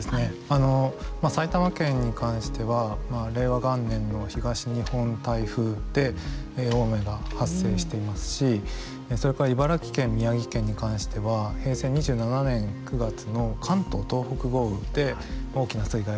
あの埼玉県に関しては令和元年の東日本台風で大雨が発生していますしそれから茨城県宮城県に関しては平成２７年９月の関東・東北豪雨で大きな水害が発生しています。